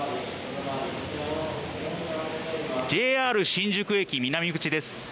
ＪＲ新宿駅南口です。